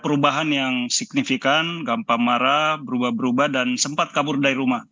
perubahan yang signifikan gampang marah berubah berubah dan sempat kabur dari rumah